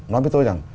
nói với tôi rằng